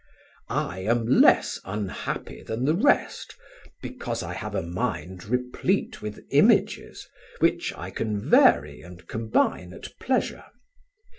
I am less unhappy than the rest, because I have a mind replete with images, which I can vary and combine at pleasure.